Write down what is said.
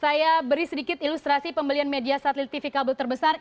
saya beri sedikit ilustrasi pembelian media satelit tv kabel terbesar